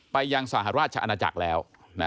ไปยังสหราชอาณาจักรแล้ว